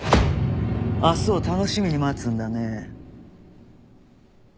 明日を楽しみに待つんだね。